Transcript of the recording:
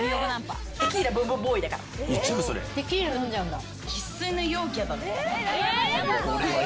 テキーラ飲んじゃうんだ。